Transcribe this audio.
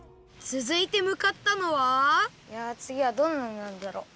つづいてむかったのはいやつぎはどんなのなんだろう？